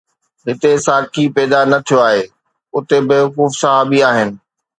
هتي ساقي پيدا نه ٿيو آهي، اتي بيوقوف صحابي آهن